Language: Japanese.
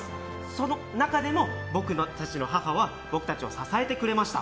その中でも僕たちの母は僕たちを支えてくれました。